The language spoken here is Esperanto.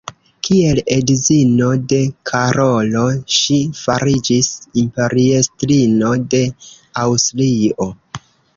Kiel edzino de Karolo ŝi fariĝis imperiestrino de Aŭstrio.